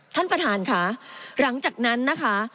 ท่านประธานค่ะหลังจากนั้นนะคะ